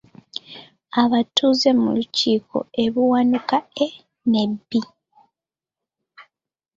Abatuuze mu lukiiko e Buwanuka A ne B.